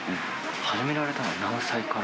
始められたのは何歳から？